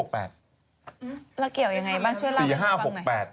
แล้วเกี่ยวยังไงบ้างช่วยเล่าให้ผมฟังหน่อย